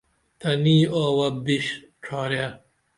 تنی اووہ بِش ڇھارے